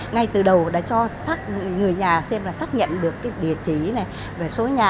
ngay từ đầu đã cho người nhà xem là xác nhận được địa chỉ và số nhà